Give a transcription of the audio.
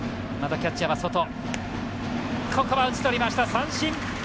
三振。